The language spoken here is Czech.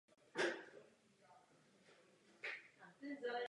Hrál se v oddíle Club de Tenis de Valencia na otevřených antukových dvorcích.